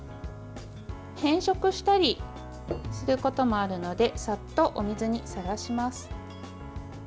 変色したりすることもあるのでさっと、お水にさらします。